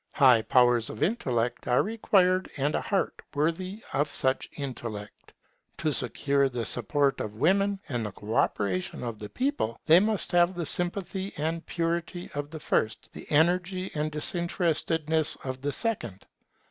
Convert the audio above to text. High powers of intellect are required and a heart worthy of such intellect. To secure the support of women, and the co operation of the people, they must have the sympathy and purity of the first, the energy and disinterestedness of the second.